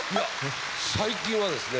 最近はですね